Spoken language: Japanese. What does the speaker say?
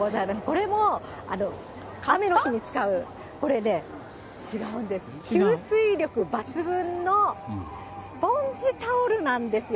これも雨の日に使う、これね、違うんです、吸水力抜群のスポンジタオルなんですよ。